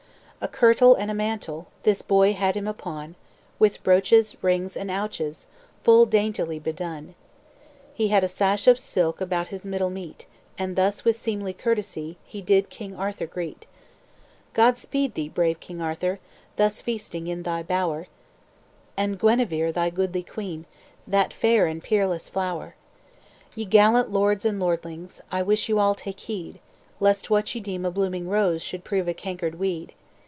"A kirtle and a mantle This boy had him upon, With brooches, rings, and ouches, Full daintily bedone. "He had a sash of silk About his middle meet; And thus with seemly curtesie He did King Arthur greet: "'God speed thee, brave King Arthur. Thus feasting in thy bower, And Guenever, thy goodly queen, That fair and peerless flower. "'Ye gallant lords and lordlings, I wish you all take heed, Lest what ye deem a blooming rose Should prove a cankered weed.'